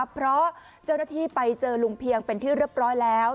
เพราะเจ้าหน้าที่ไปเจอลุงเพียงเป็นที่เรียบร้อยแล้ว